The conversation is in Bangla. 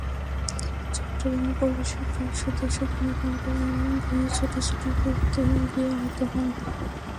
চট্টগ্রামে পুলিশের দুই সদস্য ভূমিকম্পের ভয়ে ছোটাছুটি করতে গিয়ে আহত হন।